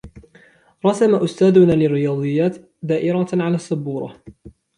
رسم أستاذنا للرياضيات دائرة على السبورة.